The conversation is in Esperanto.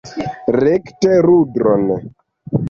Rekte rudron!